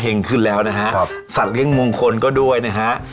ขึ้นแล้วนะฮะครับสัตว์เลี้ยมงคลก็ด้วยนะฮะ